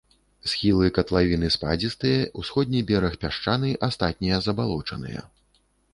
Схілы катлавіны спадзістыя, усходні бераг пясчаны, астатнія забалочаныя.